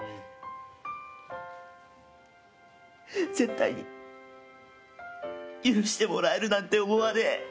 絶対に許してもらえるなんて思わねえ。